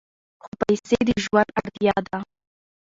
خو پیسې د ژوند اړتیا ده.